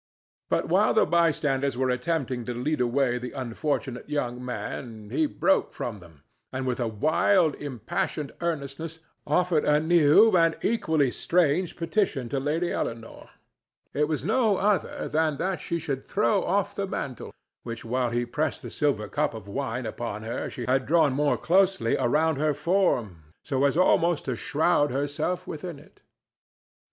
But while the bystanders were attempting to lead away the unfortunate young man he broke from them and with a wild, impassioned earnestness offered a new and equally strange petition to Lady Eleanore. It was no other than that she should throw off the mantle, which while he pressed the silver cup of wine upon her she had drawn more closely around her form, so as almost to shroud herself within it.